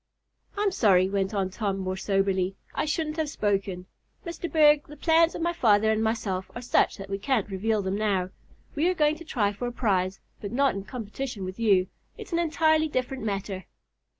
"I'm sorry," went on Tom more soberly. "I shouldn't have spoken. Mr. Berg, the plans of my father and myself are such that we can't reveal them now. We are going to try for a prize, but not in competition with you. It's an entirely different matter."